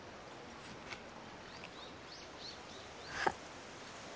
あっ。